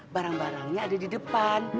barang barangnya ada di depan